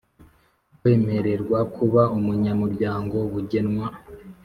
Kwemererwa kuba umunyamuryango bugenwa